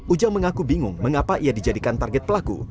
ujang mengaku bingung mengapa ia dijadikan target pelaku